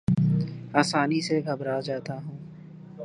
آسانی سے گھبرا جاتا ہوں